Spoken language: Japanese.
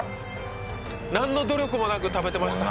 何の努力もなく食べてました。